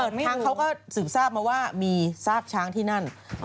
ช้างเขาก็สืบทราบมาว่ามีซากช้างที่นั่น